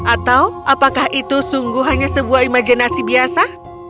atau apakah itu sungguh hanya sebuah imajinasi biasa